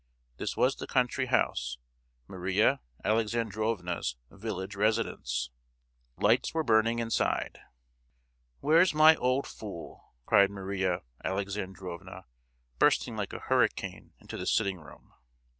This was the country house, Maria Alexandrovna's village residence. Lights were burning inside. "Where's my old fool?" cried Maria Alexandrovna bursting like a hurricane into the sitting room.